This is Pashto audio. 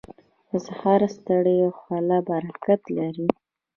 • د سهار ستړې خوله برکت لري.